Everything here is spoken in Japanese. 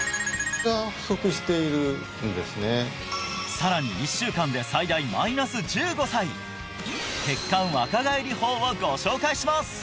さらに１週間で最大マイナス１５歳血管若返り法をご紹介します